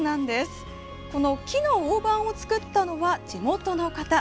木のオオバンを作ったのは地元の方。